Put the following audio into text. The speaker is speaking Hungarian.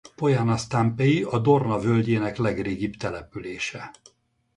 Poiana Stampei a Dorna völgyének legrégibb települése.